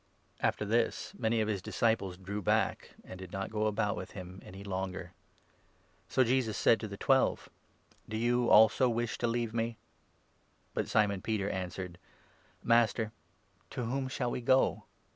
After this many of his disciples drew back, and did not go about with him any longer. So Jesus said to the Twelve :" Do you also wish to leave me ?" But Simon Peter answered :" Master, to whom shall we go?